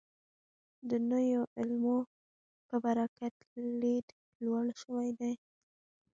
د نویو علومو په برکت لید لوړ شوی دی.